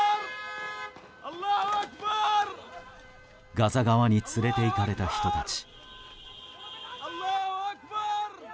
ガザ側に連れていかれた人たち。